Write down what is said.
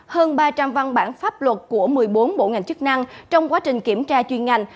hơn ba trăm linh văn bản pháp luật của một mươi bốn bộ ngành chức năng trong quá trình kiểm tra chuyên ngành